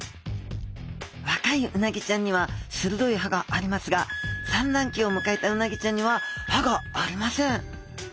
若いうなぎちゃんには鋭い歯がありますが産卵期を迎えたうなぎちゃんには歯がありません。